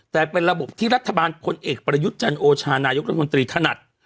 แต่เป็นระบบที่รัฐบาลพลเอกประยุทธ์จันโอชานายกรัฐมนตรีถนัด